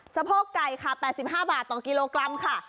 สะโพกไก่ค่ะ๘๕บาทต่อกิโลกรัมค่ะ